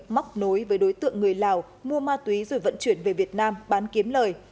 móc nối với đối tượng người lào mua ma túy rồi vận chuyển về việt nam bán kiếm lời